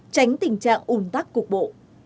tránh tình trạng un tắc cục bộ